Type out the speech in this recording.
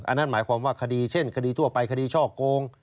อันนั้นหมายความว่าคดีเช่นคดีทั่วไปคดีช่อโกง